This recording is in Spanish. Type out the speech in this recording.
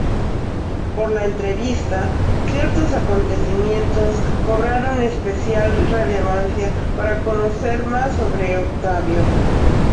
Por la entrevista, ciertos acontecimientos cobraron especial relevancia para conocer más sobre Octavio.